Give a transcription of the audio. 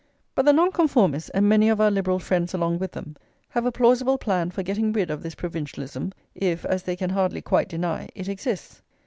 But the Nonconformists, and many of our Liberal friends along with them, have a plausible plan for getting rid of this provincialism, if, as they can hardly quite deny, it exists.